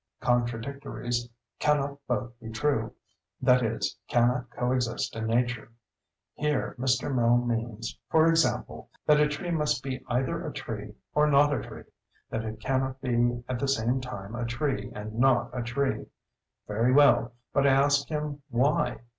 —"Contradictories cannot both be true—that is, cannot co exist in nature." Here Mr. Mill means, for example, that a tree must be either a tree or not a tree—that it cannot be at the same time a tree and not a tree. Very well; but I ask him why.